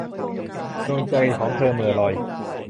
ดวงตาของเธอเหม่อลอย